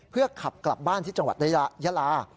เพื่อขับกลับบ้านที่จังหวัดยาลา